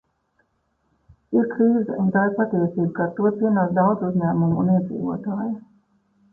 Ir krīze, un tā ir patiesība, ka ar to cīnās daudz uzņēmumu un iedzīvotāju.